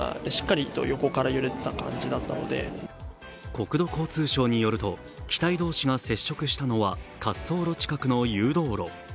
国土交通省によると、機体同士が接触したのは滑走路近くの誘導路。